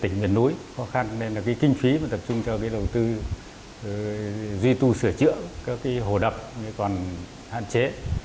tỉnh miền núi khó khăn nên kinh phí tập trung cho đầu tư duy tu sửa chữa hồ đập còn hạn chế